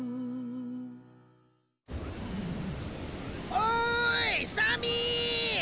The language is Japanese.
おいサミー！